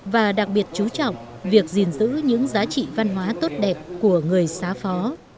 và đặc biệt chú trọng việc gìn giữ những giá trị văn hóa tốt đẹp của người xá phó